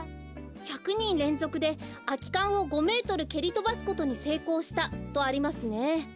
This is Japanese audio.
「１００にんれんぞくであきかんを５メートルけりとばすことにせいこうした」とありますね。